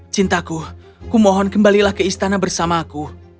cintaku kumohon kembalilah ke istana bersamaku